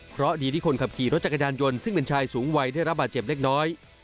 เพราะดีที่คนขับขี่รถจักรยานยนต์ซึ่งเป็นชายสูงวัยได้รับบาดเจ็บเล็กน้อย